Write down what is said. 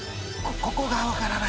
ここが分からない。